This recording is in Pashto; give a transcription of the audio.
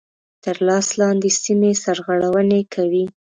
تر لاس لاندي سیمي سرغړوني کوي.